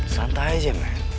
santai aja men